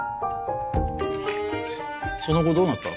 その後どうなった？